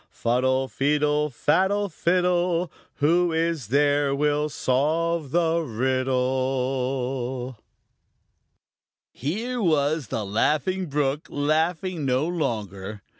Fuddle, feedle, faddle, fiddle! Who is there will solve the riddle? Here was the Laughing Brook laughing no longer.